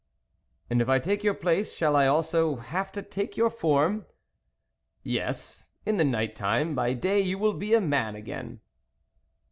" And if I take your place, shall I also have to take your form ?" ".Yes, in the night time ; by day you will be a man again."